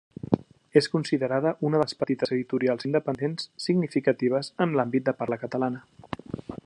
És considerada una de les petites editorials independents significatives en l'àmbit de parla catalana.